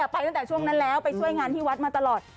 ไปตั้งแต่ช่วงนั้นแล้วไปช่วยงานที่วัดมาตลอด